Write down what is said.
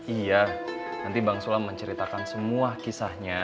iya nanti bang sulam menceritakan semua kisahnya